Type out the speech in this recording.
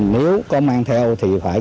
nếu có mang theo thì phải